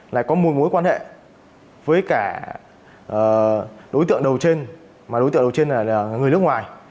lại có một mối quan hệ với cả đối tượng đầu trên mà đối tượng đầu trên này là người nước ngoài